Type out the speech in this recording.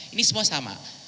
ini semua sama